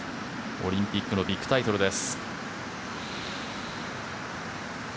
オリンピックのビッグタイトルです。